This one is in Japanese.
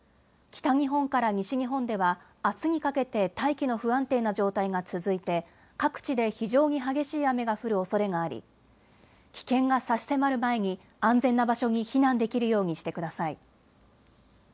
北日本から西日本ではあすにかけて大気の不安定な状態が続いて各地で非常に激しい雨が降るおそれがあり、危険が差し迫る前に安全な場所に避難できるようにしてください。